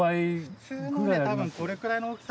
普通のでこれくらいの大きさ。